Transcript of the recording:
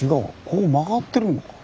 こう曲がってるのか。